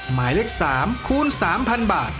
หมายเลข๓คูณ๓๐๐บาท